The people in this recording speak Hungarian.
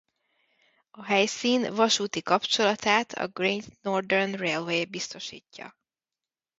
A helyszín vasúti kapcsolatát a Great Northern Railway biztosította.